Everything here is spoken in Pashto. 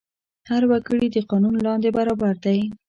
هر وګړی د قانون لاندې برابر دی.